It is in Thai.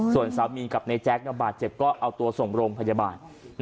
ส่วนสามีกับในแจ๊กบาดเจ็บก็เอาตัวส่งโรงพยาบาล